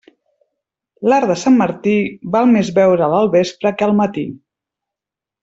L'arc de Sant Martí, val més veure'l al vespre que al matí.